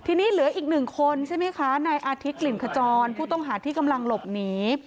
ทีนี้เหลืออีกหนึ่งคนใช่ไหมคะนายอาทิตย์กลิ่นขจรผู้ต้องหาที่กำลังหลบหนี